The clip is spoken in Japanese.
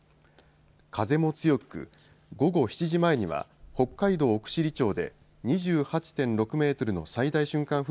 風も強く午後７時前には北海道奥尻町で２８．６メートルの最大瞬間